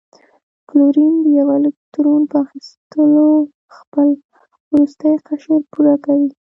کلورین د یوه الکترون په اخیستلو خپل وروستنی قشر پوره کوي.